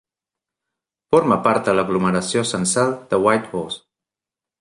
Forma part de l'aglomeració censal de Whitehorse.